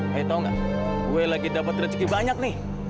eh tau gak gue lagi dapat rezeki banyak nih